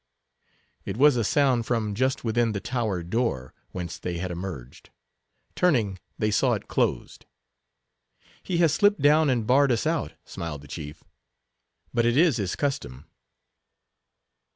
It was a sound from just within the tower door, whence they had emerged. Turning, they saw it closed. "He has slipped down and barred us out," smiled the chief; "but it is his custom."